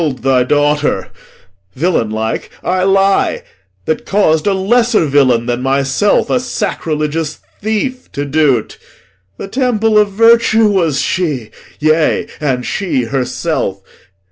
I am Posthumus, That kill'd thy daughter; villain like, I lie That caus'd a lesser villain than myself, A sacrilegious thief, to do't. The temple Of virtue was she; yea, and she herself.